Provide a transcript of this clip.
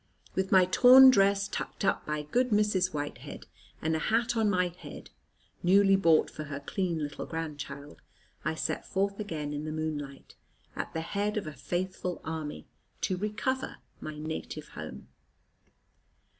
With my torn dress tucked up by good Mrs. Whitehead, and a hat on my head, newly bought for her clean little grandchild, I set forth again in the moonlight, at the head of a faithful army, to recover my native home.